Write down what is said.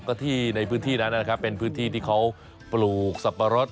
ก็ที่ในพื้นที่นั้นนะครับเป็นพื้นที่ที่เขาปลูกสับปะรด